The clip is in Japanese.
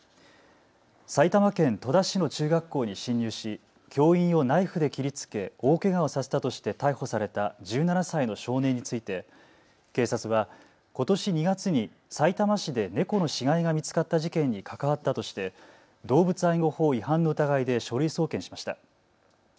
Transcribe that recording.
埼玉県戸田市の中学校に侵入し教員をナイフで切りつけ大けがをさせたとして逮捕された１７歳の少年について警察はことし２月にさいたま市で猫の死骸が見つかった事件に関わったとして動物愛護法違反の疑いで書類送検しました。